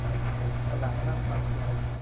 ตลาดนัดปันสุข